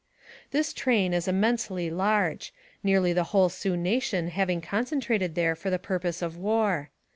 This train was immensely large, nearly the whole Sioux nation having concentrated there for the pur pose of war.